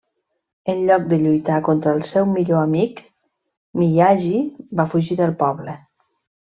En lloc de lluitar contra el seu millor amic, Miyagi va fugir del poble.